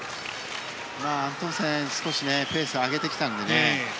アントンセンが少しペースを上げてきたのでね。